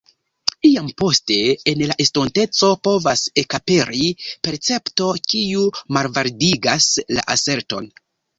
Iam poste en la estonteco povas ekaperi percepto, kiu malvalidigas la aserton.